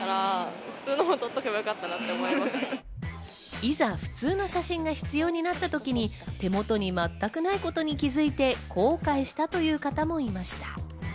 いざ普通の写真が必要になった時に手元に全くないことに気づいて、後悔したという方もいました。